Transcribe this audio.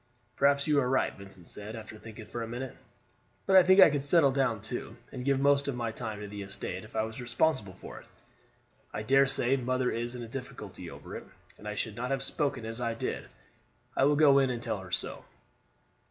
"Perhaps you are right," Vincent said, after thinking for a minute; "but I think I could settle down too, and give most of my time to the estate, if I was responsible for it. I dare say mother is in a difficulty over it, and I should not have spoken as I did; I will go in and tell her so."